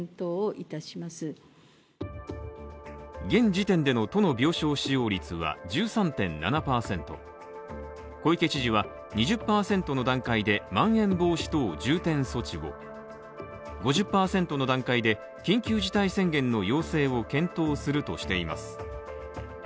現時点での都の病床使用率は１３．７％小池知事は２０％の段階でまん延防止等重点措置を、５０％の段階で緊急事態宣言の要請を検討するとしています。